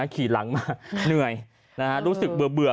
ขี่หลังมาเหนื่อยรู้สึกเบื่อ